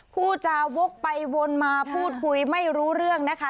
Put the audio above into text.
ผู้จาวกไปวนมาพูดคุยไม่รู้เรื่องนะคะ